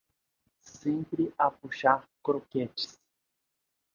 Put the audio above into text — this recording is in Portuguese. Sempre a puxar croquetes!